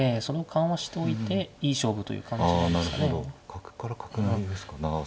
それを緩和しといていい勝負という感じですかね。